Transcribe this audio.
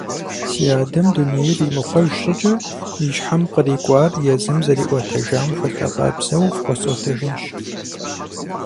Си адэм, дунейр имыхъуэж щӏыкӏэ, и щхьэм кърикӀуар езым зэриӀуэтэжам хуэдэ къабзэу фхуэсӀуэтэжынщ.